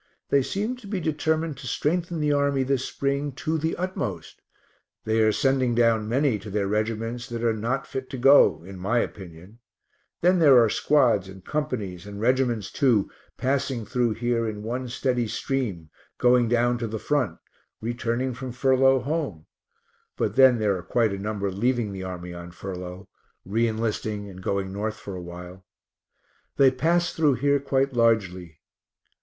They seem to be determined to strengthen the army this spring to the utmost. They are sending down many to their reg'ts that are not fit to go in my opinion then there are squads and companies, and reg'ts, too, passing through here in one steady stream, going down to the front, returning from furlough home; but then there are quite a number leaving the army on furlough, re enlisting, and going North for a while. They pass through here quite largely.